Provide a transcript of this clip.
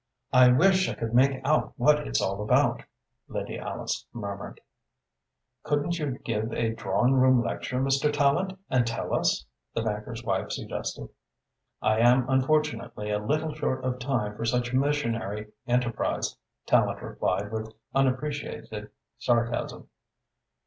"I wish I could make out what it's all about," Lady Alice murmured. "Couldn't you give a drawing room lecture, Mr. Tallente, and tell us?" the banker's wife suggested. "I am unfortunately a little short of time for such missionary enterprise," Tallente replied, with unappreciated sarcasm.